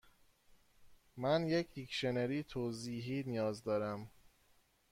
من یک دیکشنری توضیحی نیاز دارم.